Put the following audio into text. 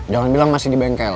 jangan bilang masih di bengkel